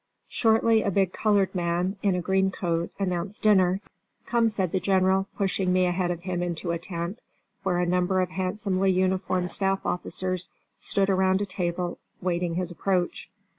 Shortly a big colored man, in a green coat, announced dinner. "Come," said the General, pushing me ahead of him into a tent, where a number of handsomely uniformed staff officers stood around a table waiting his approach.